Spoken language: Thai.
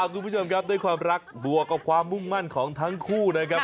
คุณผู้ชมครับด้วยความรักบวกกับความมุ่งมั่นของทั้งคู่นะครับ